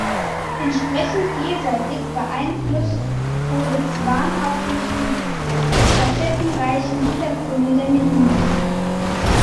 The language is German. Entsprechend vielseitig beeinflusst wurde Zwan auch durch die facettenreichen Hintergründe der Mitmusiker.